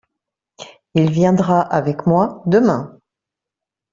Il viendra avec moi demain.